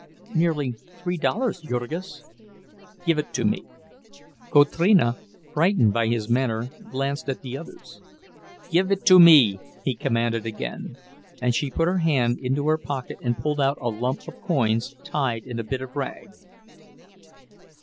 "Nearly three dollars, Jurgis." "Give it to me." Kotrina, frightened by his manner, glanced at the others. "Give it to me!" he commanded again, and she put her hand into her pocket and pulled out a lump of coins tied in a bit of rag.